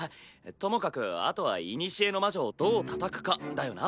ともかくあとは古の魔女をどうたたくかだよな。